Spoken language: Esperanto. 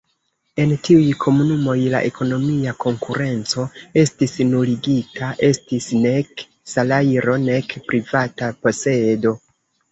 En tiuj komunumoj la ekonomia konkurenco estis nuligita, estis nek salajro nek privata posedo.